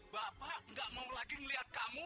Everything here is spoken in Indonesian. bapak gak mau lagi ngelihat kamu